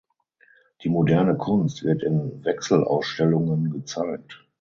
Die moderne Kunst wird in Wechselausstellungen gezeigt.